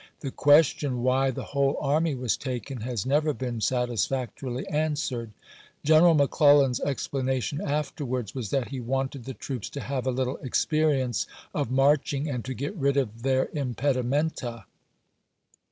The question why the whole army was taken has never been satisfac torily answered. General McClellan's explanation afterwards was that he wanted the troops to have a little experience of marching and to " get rid of their impedimenta.